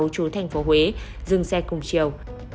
chú thành phố huế dừng xe cùng chiều